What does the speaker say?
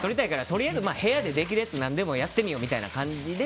とりあえず部屋でできるやつを何でもやってみようみたいな感じで。